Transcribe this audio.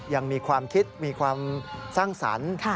ยังมีความคิดมีความสร้างสรรค์